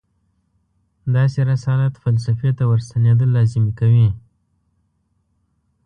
داسې رسالت فلسفې ته ورستنېدل لازمي کوي.